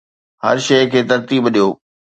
هر شي کي ترتيب ڏيو